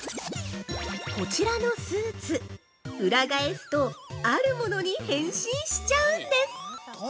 こちらのスーツ、裏返すとあるものに変身しちゃうんです！